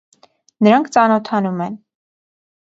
Նրանք ծանոթանում են։